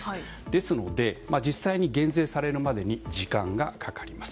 ですので実際に減税されるまでに時間がかかります。